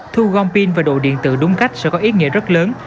thu gom pin và đồ điện tử đúng cách sẽ có ý nghĩa rất lớn